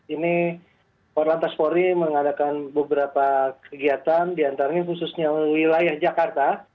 ini korantas polri mengadakan beberapa kegiatan di antaranya khususnya wilayah jakarta